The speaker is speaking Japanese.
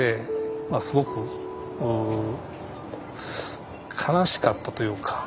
まあすごく悲しかったというか。